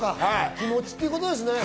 気持ちということなんですね。